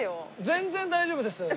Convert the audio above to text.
全然大丈夫です。